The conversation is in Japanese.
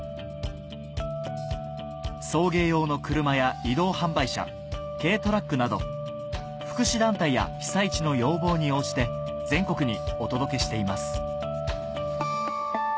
送迎用の車や移動販売車軽トラックなど福祉団体や被災地の要望に応じて全国にお届けしています